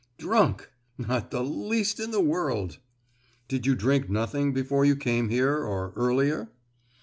"Drunk! not the least in the world!" "Did you drink nothing before you came here, or earlier?"